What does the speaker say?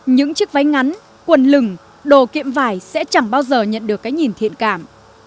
những chiếc váy ngắn quần lửng đồ kiệm vải sẽ chẳng bao giờ nhận được cái nhìn thiện cảm